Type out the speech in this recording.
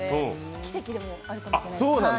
奇跡でもあるかもしれないです。